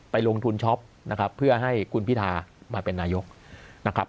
ลงทุนช็อปนะครับเพื่อให้คุณพิธามาเป็นนายกนะครับ